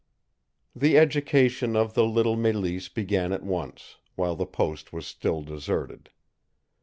The education of the little Mélisse began at once, while the post was still deserted.